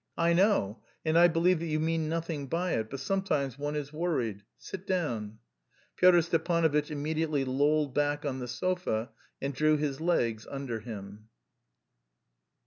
"I know, and I believe that you mean nothing by it, but sometimes one is worried.... Sit down." Pyotr Stepanovitch immediately lolled back on the sofa and drew his legs under him.